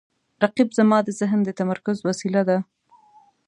رقیب زما د ذهن د تمرکز وسیله ده